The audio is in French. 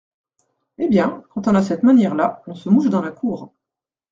Eh bien, quand on a cette manière-là, on se mouche dans la cour.